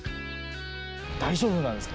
大丈夫なんですか？